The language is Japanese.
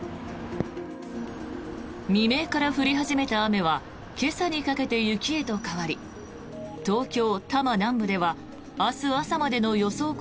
未明から降り始めた雨は今朝にかけて雪へと変わり東京・多摩南部では明日朝までの予想